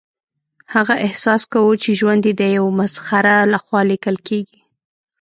هغه احساس کاوه چې ژوند یې د یو مسخره لخوا لیکل کیږي